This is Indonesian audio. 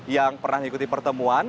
yang pernah mengikuti pertemuan